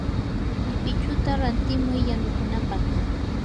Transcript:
apichuta rantimuy yanukunapaq.